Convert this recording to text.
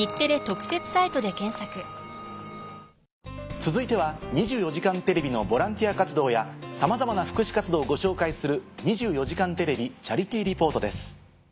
続いては『２４時間テレビ』のボランティア活動やさまざまな福祉活動をご紹介する。